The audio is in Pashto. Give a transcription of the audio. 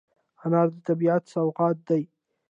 انار د طبیعت سوغات دی.